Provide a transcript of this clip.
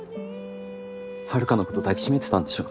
遥のこと抱きしめてたんでしょ？